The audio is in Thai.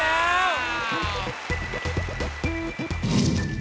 ไอด์